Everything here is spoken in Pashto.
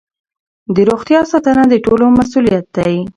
د روغتیا ساتنه د ټولو مسؤلیت دی.